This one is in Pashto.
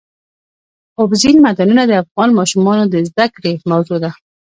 اوبزین معدنونه د افغان ماشومانو د زده کړې موضوع ده.